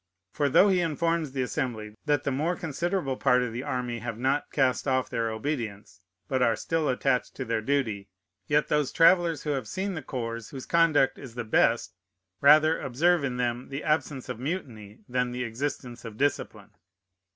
For, though he informs the Assembly that the more considerable part of the army have not cast off their obedience, but are still attached to their duty, yet those travellers who have seen the corps whose conduct is the best rather observe in them the absence of mutiny than the existence of discipline.